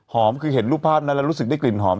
คือเห็นรูปภาพนั้นแล้วรู้สึกได้กลิ่นหอม